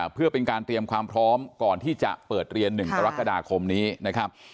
เพื่อเป็นการเตรียมความพร้อมก่อนที่จะเปิดเรียน๑กรกฎาคมนี้นะครับ